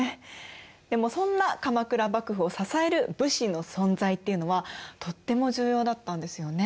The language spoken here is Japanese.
でもそんな鎌倉幕府を支える武士の存在っていうのはとっても重要だったんですよね。